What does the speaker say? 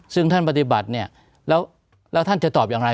ซึ่งท่านปฏิบัติเนี่ยแล้วท่านจะตอบอย่างไร